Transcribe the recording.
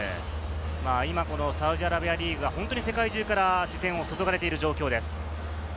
今、サウジアラビアリーズは世界中から視線を注がれている状況です。